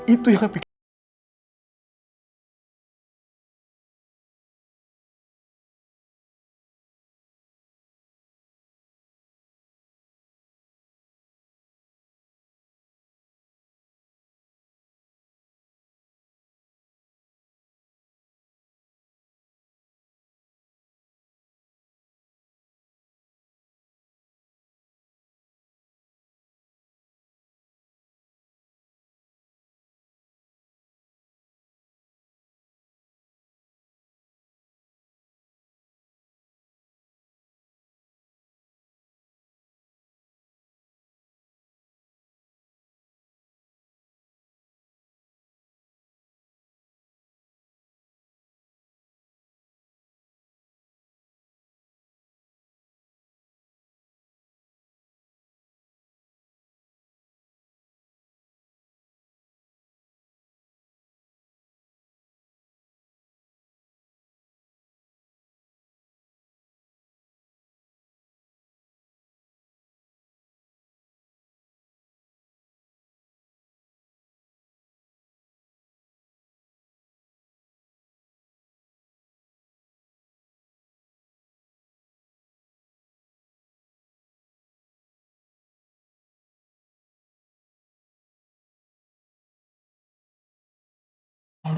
itu yang kepikiran